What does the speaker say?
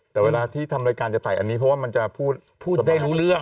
แต่เวลาที่ทำรายการเอามาใส่ต่อกว่ามันจะพูดได้ดูเรื่อง